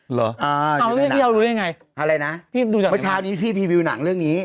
เหรออ่าอยู่ในหนังอ๋อพี่เอารู้ยังไงอะไรนะพี่ดูจากไหนมันเช้านี้พี่พีวิวหนังเรื่องนี้